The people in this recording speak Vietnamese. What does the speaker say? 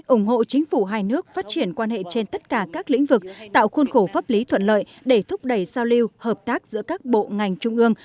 ủng hộ chính phủ hai nước phát triển quan hệ trên tất cả các lĩnh vực tạo khuôn khổ pháp lý thuận lợi để thúc đẩy giao lưu hợp tác giữa các bộ ngành trung ương